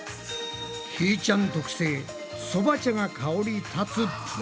ひーちゃん特製そば茶が香りたつプリン！